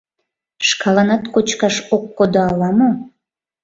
Шкаланат кочкаш ок кодо ала-мо...